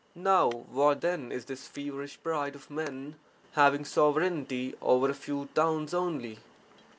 For what then is this feverish pride of men having sovereignty over a few towns only?